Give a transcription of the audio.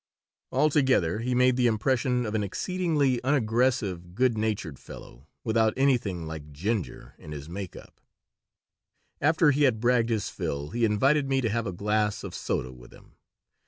Altogether he made the impression of an exceedingly unaggressive, good natured fellow, without anything like ginger in his make up After he had bragged his fill he invited me to have a glass of soda with him.